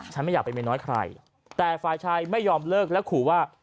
ไม่อยากเป็นเมียน้อยใครแต่ฝ่ายชายไม่ยอมเลิกและขู่ว่า